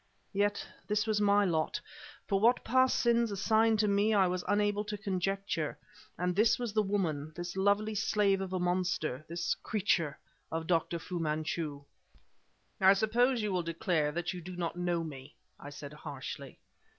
Yet this was my lot, for what past sins assigned to me I was unable to conjecture; and this was the woman, this lovely slave of a monster, this creature of Dr. Fu Manchu. "I suppose you will declare that you do not know me!" I said harshly.